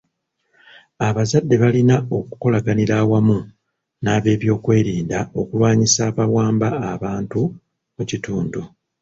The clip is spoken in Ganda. Abazadde balina okukolaganira awamu n'abebyokwerinda okulwanyisa abawamba abantu mu kitundu.